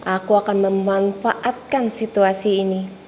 aku akan memanfaatkan situasi ini